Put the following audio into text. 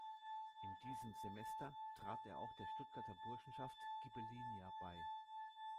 In diesem Semester trat er auch der "Stuttgarter Burschenschaft Ghibellinia" bei.